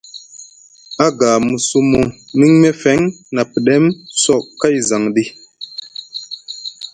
Aga mu sumu miŋ mefeŋ na pɗem so kay zaŋ ɗi ?